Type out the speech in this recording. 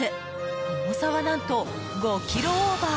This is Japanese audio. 重さは何と５ｋｇオーバー。